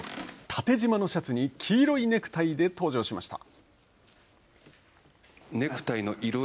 縦じまのシャツに黄色いネクタイで登場しました。